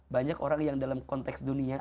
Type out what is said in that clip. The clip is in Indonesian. banyak orang yang dalam konteks dunia